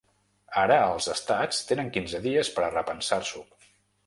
Ara els estats tenen quinze dies per a repensar-s’ho.